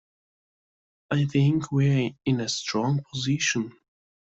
I think we’re in a strong position